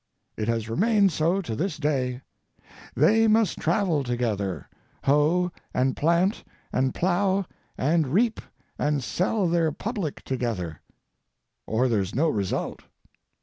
It has remained so to this day: they must travel together, hoe, and plant, and plough, and reap, and sell their public together, or there's no result.